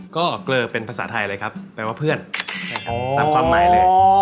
ก็เกลอเป็นภาษาไทยเลยครับแปลว่าเพื่อนตามความหมายเลย